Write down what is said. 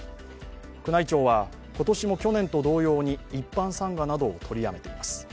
宮内庁は今年も去年と同様に一般参賀などを取りやめています。